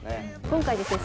今回ですね